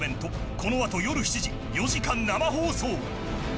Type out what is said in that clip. この後、夜７時、４時間生放送。